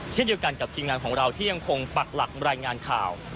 เช่นเดียวกันกับทีมงานของเราที่ยังคงปักหลักรายงานข่าว